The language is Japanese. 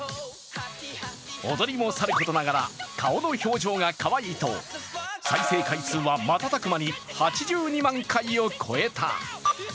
踊りもさることながら、顔の表情がかわいいと再生回数は瞬く間に８２万回を超えた。